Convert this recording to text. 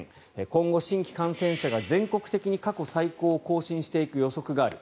今後、新規感染者が全国的に過去最高を更新していく予測がある。